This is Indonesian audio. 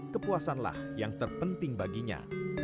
kepuasanlah yang terpenting baginya